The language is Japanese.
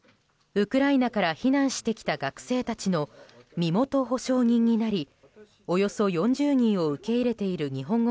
ウクライナから避難してきた学生たちの身元保証人になりおよそ４０人を受け入れている日本語